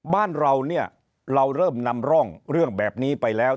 บ้านเราเนี่ยเราเริ่มนำร่องเรื่องแบบนี้ไปแล้ว